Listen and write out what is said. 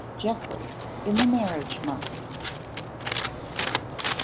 GEOFFREY IN THE MARRIAGE MARKET.